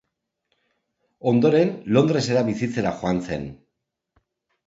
Ondoren Londresera bizitzera joan zen.